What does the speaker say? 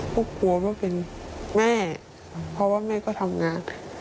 ก็กลัวว่าเป็นแม่เพราะว่าแม่ก็ทำงาน